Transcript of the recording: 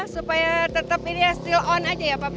supaya tetep ini ya still on aja ya pape